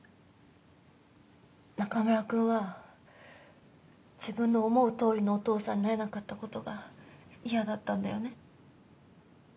中村くんは自分の思うとおりのお父さんになれなかった事が嫌だったんだよね？